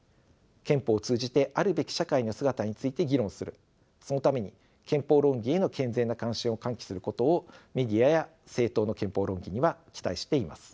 憲法を通じてあるべき社会の姿について議論するそのために憲法論議への健全な関心を喚起することをメディアや政党の憲法論議には期待しています。